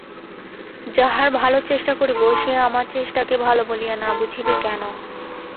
যাহার ভালোর চেষ্টা করিব, সে আমার চেষ্টাকে ভালো বলিয়া না বুঝিবে কেন।